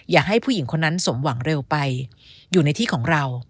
อย่าให้ผู้หญิงคนนั้นสมหวังเร็วไปอยู่ในที่ของเรา